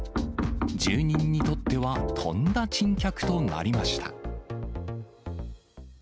住人にとってはとんだ珍客となりました。